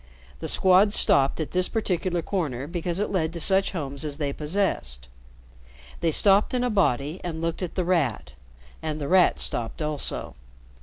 The Squad stopped at this particular corner because it led to such homes as they possessed. They stopped in a body and looked at The Rat, and The Rat stopped also.